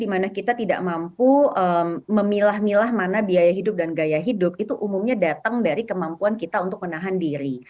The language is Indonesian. dimana kita tidak mampu memilah milah mana biaya hidup dan gaya hidup itu umumnya datang dari kemampuan kita untuk menahan diri